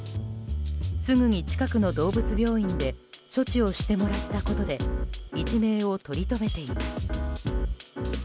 すぐに、近くの動物病院で処置をしてもらったことで一命をとりとめています。